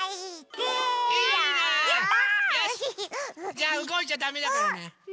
じゃあうごいちゃだめだからね。